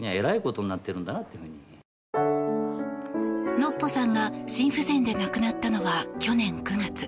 のっぽさんが心不全で亡くなったのは去年９月。